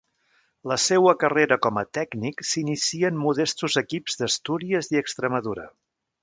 La seua carrera com a tècnic s'inicia en modestos equips d'Astúries i Extremadura.